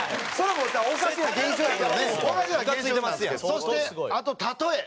そしてあと例え。